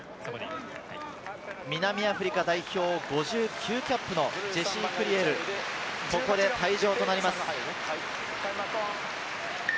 南アフリカ代表、５９キャップのジェシー・クリエル、ここで退場となります。